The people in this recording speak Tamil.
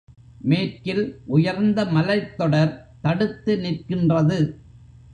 மேற்கில் உயர்ந்த மலைத்தொடர் தடுத்து நிற்கின்றது.